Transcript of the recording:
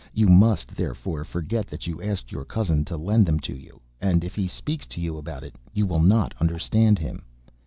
You must, therefore, forget that you asked your cousin to lend them to you, and, if he speaks to you about it, you will not understand him."